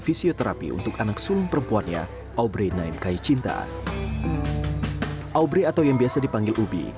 fisioterapi untuk anak sulung perempuannya aubre naim kai cinta aubre atau yang biasa dipanggil ubi